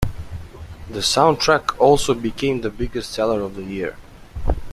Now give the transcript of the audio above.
The soundtrack also became the biggest seller of the year.